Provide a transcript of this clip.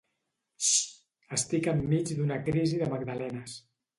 Xss! Estic enmig d'una crisi de magdalenes.